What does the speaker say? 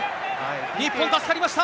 日本、助かりました。